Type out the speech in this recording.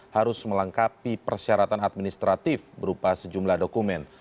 harus melengkapi persyaratan administratif berupa sejumlah dokumen